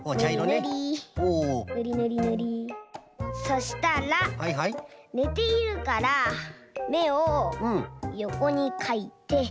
そしたらねているからめをよこにかいて。